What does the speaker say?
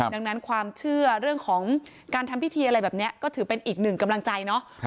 ดังนั้นความเชื่อเรื่องของการทำพิธีอะไรแบบนี้ก็ถือเป็นอีกหนึ่งกำลังใจเนาะ